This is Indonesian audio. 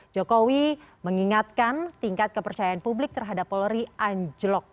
jokowi mengingatkan tingkat kepercayaan publik terhadap polri anjlok